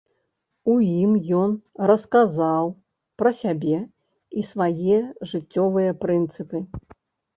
У ім ён расказаў пра сябе і свае жыццёвыя прынцыпы.